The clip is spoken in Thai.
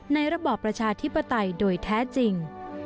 ระบอบประชาธิปไตยโดยแท้จริง